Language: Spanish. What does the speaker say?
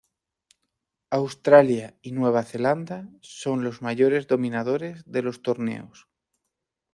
Australia y Nueva Zelanda son los mayores dominadores de los torneos.